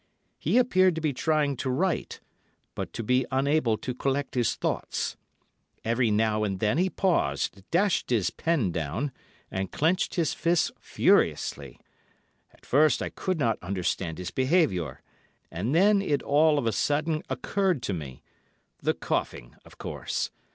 He appeared to be trying to write, but to be unable to collect his thoughts. Every now and then he paused, dashed his pen down, and clenched his fists furiously. At first I could not understand his behaviour, and then it all of a sudden occurred to me—the coughing, of course.